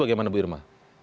bagaimana bu irma